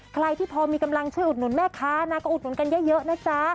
ใครที่พอมีกำลังช่วยอุดหนุนแม่ค้านะก็อุดหนุนกันเยอะนะจ๊ะ